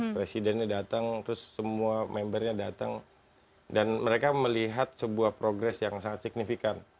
presidennya datang terus semua membernya datang dan mereka melihat sebuah progres yang sangat signifikan